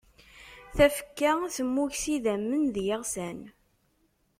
Tafekka tmmug s idamen d yeɣsan.